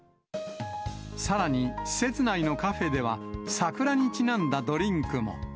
さらに施設内のカフェでは、桜にちなんだドリンクも。